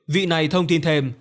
vị này thông tin thêm